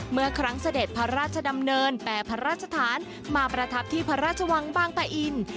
เมื่อครั้งเสด็จพระราชดำเนินแปรพระราชฐานมาประทับที่พระราชวังบางปะอิน